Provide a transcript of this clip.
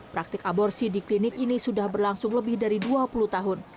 praktik aborsi di klinik ini sudah berlangsung lebih dari dua puluh tahun